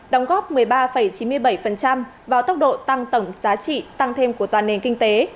đóng góp một mươi ba chín mươi bảy vào tốc độ tăng tổng giá trị tăng thêm của toàn nền kinh tế